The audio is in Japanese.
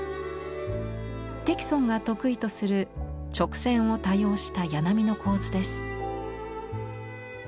荻が得意とする直線を多用した家並みの構図です。